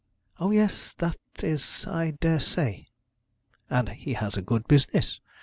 'O, yes, that is, I daresay.' 'And he has a good business.